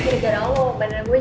gini kok rame banget